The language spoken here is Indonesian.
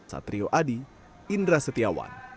satrio adi indra setiawan